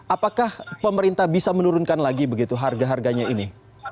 apakah pemerintah bisa menurunkan lagi begitu harga harganya ini